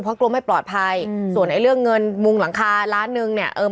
เพราะกลัวไม่ปลอดภัยส่วนเรื่องเงินมุมหลังคา๑ล้านนึงเนี่ย